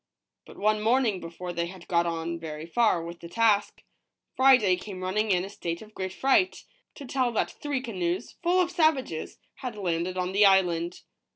But one morning, before they had got on very far with the task, Friday came running in a state of great fright, to tell that three canoes, full of savages, had landed on the island.